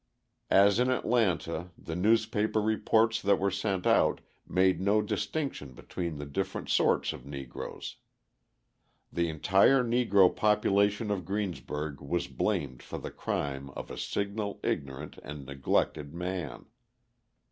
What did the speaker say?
As in Atlanta, the newspaper reports that were sent out made no distinction between the different sorts of Negroes. The entire Negro population of Greensburg was blamed for the crime of a single ignorant and neglected man.